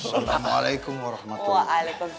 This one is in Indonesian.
assalamualaikum warahmatullahi wabarakatuh